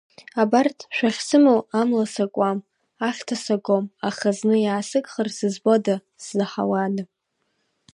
Абарҭ шәахьсымоу амла сакуам, ахьҭа сагом, аха зны иаасыгхар сызбода, сзаҳауада.